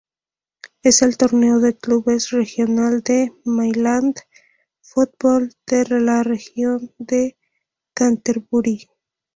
Es el torneo de clubes regional de Mainland Football, de la región de Canterbury.